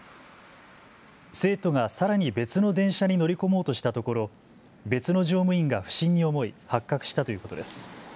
生徒がさらに別の電車に乗り込もうとしたところ別の乗務員が不審に思い発覚したということです。